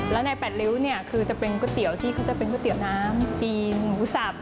แล้วใน๘ริ้วเนี่ยคือจะเป็นก๋วยเตี๋ยวที่เขาจะเป็นก๋วยเตี๋ยวน้ำจีนหมูสับ